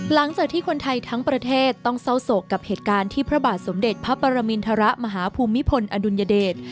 หลังจากที่คนไทยทั้งประเทศต้องเศร้าโศกกับเหตุการณ์ที่พระบาทสมเด็จพระปรมินทรมาฮภูมิพลอดุลยเดช